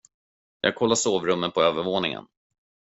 Jag kollar sovrummen på övervåningen.